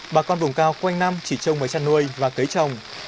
bà con vùng cao quanh năm chỉ trông vào chăn nuôi và cấy trồng